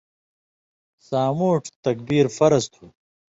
سامُوٹھ تکبیر فرض تھُو۔